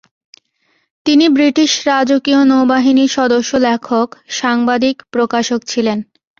তিনি ব্রিটিশ রাজকীয় নৌবাহিনীর সদস্য, লেখক, সাংবাদিক, প্রকাশক ছিলেন।